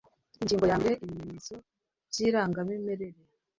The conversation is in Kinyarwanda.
Ingingo ya mbere Ibimenyetso by irangamimerere